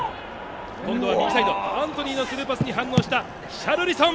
今度は右サイドアントニーのスルーパスに反応したヒシャルリソン。